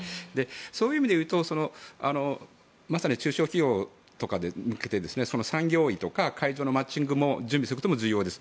そういう意味で言うとまさに中小企業とかに向けて産業医とか会場のマッチングを準備することも重要です。